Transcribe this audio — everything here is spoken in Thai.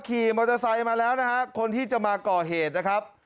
ขี่มอเตอร์ไซค์มาแล้วนะฮะคนที่จะมาก่อเหตุนะครับ